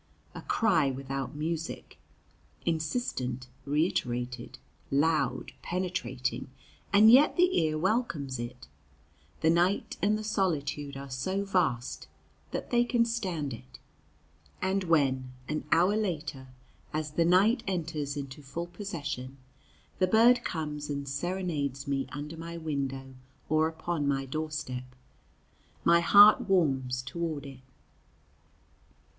A cry without music, insistent, reiterated, loud, penetrating, and yet the ear welcomes it; the night and the solitude are so vast that they can stand it; and when, an hour later, as the night enters into full possession, the bird comes and serenades me under my window or upon my doorstep, my heart warms toward it.